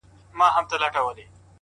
ستا مين درياب سره ياري کوي ـ